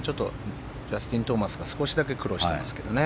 ジャスティン・トーマスが少しだけ苦労してますけどね。